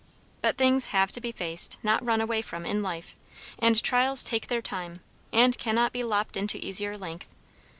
But things have to be faced, not run away from, in life; and trials take their time and cannot be lopped into easier length.